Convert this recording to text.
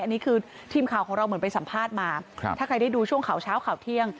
อันนี้คือทีมข่าวของเราเหมือนไปสัมภาษณ์มาถ้าใครได้ดูช่วงข่าวเช้าข่าวเที่ยง